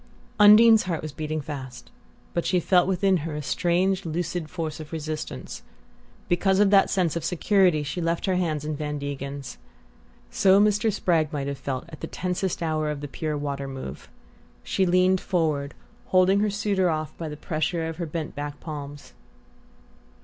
Undine's heart was beating fast, but she felt within her a strange lucid force of resistance. Because of that sense of security she left her hands in Van Degen's. So Mr. Spragg might have felt at the tensest hour of the Pure Water move. She leaned forward, holding her suitor off by the pressure of her bent back palms.